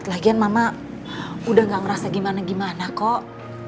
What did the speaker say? lagian mama udah gak ngerasa gimana gimana kok